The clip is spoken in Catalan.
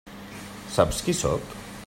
Saps qui sóc?